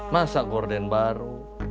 masa gorden baru